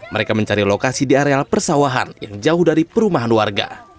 mereka mencari lokasi di areal persawahan yang jauh dari perumahan warga